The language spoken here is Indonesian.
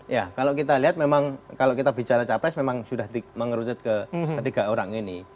ya kalau kita lihat memang kalau kita bicara capres memang sudah mengerucut ke tiga orang ini